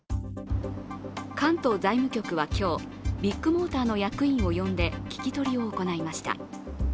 関東財務局は今日、ビッグモーターの役員を呼んで聞き取りを行いました。